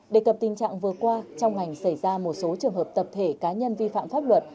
đề cập tình trạng vừa qua trong ngành xảy ra một số trường hợp tập thể cá nhân vi phạm pháp luật